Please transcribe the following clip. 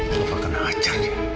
papa akan ajar dia